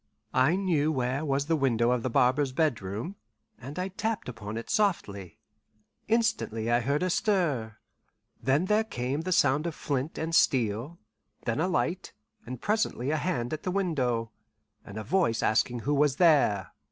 I knew where was the window of the barber's bedroom, and I tapped upon it softly. Instantly I heard a stir; then there came the sound of flint and steel, then a light, and presently a hand at the window, and a voice asking who was there.